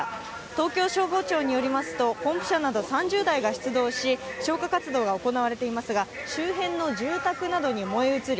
東京消防庁によりますと、ポンプ車など３０台が出動し消火活動が行われていますが周辺の住宅などに燃え移り